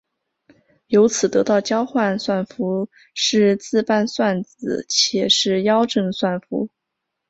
由此得到交换算符是自伴算子且是幺正算符。